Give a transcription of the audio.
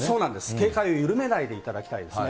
警戒を緩めないでいただきたいですね。